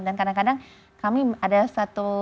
dan kadang kadang kami ada satu